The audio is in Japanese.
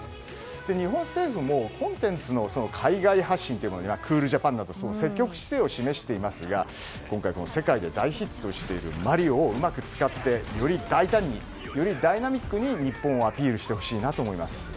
日本政府もコンテンツの海外発信はクールジャパンなどで積極姿勢を示していますが、今回世界で大ヒットしているマリオをうまく使ってより大胆に、ダイナミックに日本をアピールしてほしいと思います。